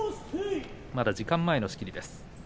まだ時間前の仕切りです。